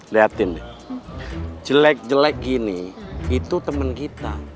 liatin deh jelek jelek gini itu temen kita